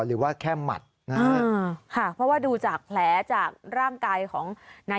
หรือว่าแค่หมัดนะฮะค่ะเพราะว่าดูจากแผลจากร่างกายของนาย